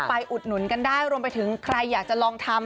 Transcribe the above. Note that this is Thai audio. อุดหนุนกันได้รวมไปถึงใครอยากจะลองทำ